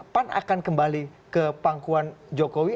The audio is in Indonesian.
pan akan kembali ke pangkuan jokowi